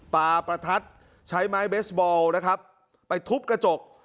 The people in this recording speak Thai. ประทัดใช้ไม้เบสบอลนะครับไปทุบกระจก